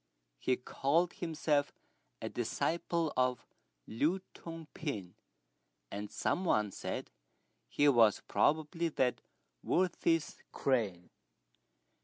He called himself a disciple of Lü Tung pin, and some one said he was probably that worthy's crane.